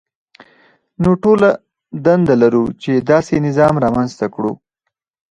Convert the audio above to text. نو ټول دنده لرو چې داسې نظام رامنځته کړو.